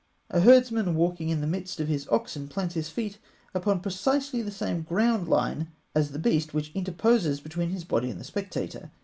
A herdsman walking in the midst of his oxen plants his feet upon precisely the same ground line as the beast which interposes between his body and the spectator.